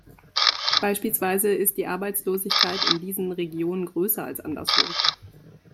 Beispielsweise ist die Arbeitslosigkeit in diesen Regionen größer als anderswo.